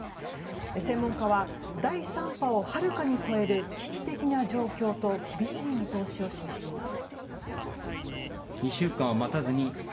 専門家は第３波をはるかに超える危機的な状況と厳しい見通しを示しています。